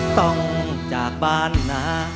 ต้องจากบ้านนะ